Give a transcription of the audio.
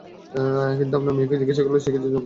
কিন্তু আপনার মেয়েকে জিজ্ঞাসা করলে সে কিছুই বলছে না।